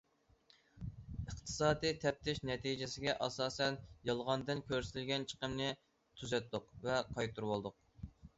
ئىقتىسادىي تەپتىش نەتىجىسىگە ئاساسەن، يالغاندىن كۆرسىتىلگەن چىقىمنى تۈزەتتۇق ۋە قايتۇرۇۋالدۇق.